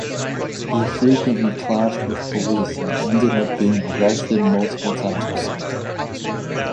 He frequently clashed with the police and ended up being arrested multiple times.